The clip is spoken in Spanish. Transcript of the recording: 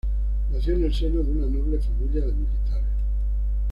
Nació en el seno de una noble familia de militares.